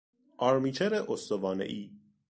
آرمیچر استوانهای